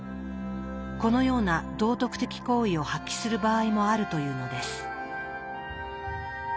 このような道徳的行為を発揮する場合もあるというのです。